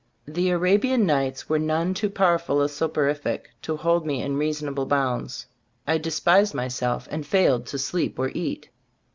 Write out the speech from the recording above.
The Arabian Nights were none too powerful a soporific to hold me in reasonable bounds. I despised myself and failed to sleep or eat.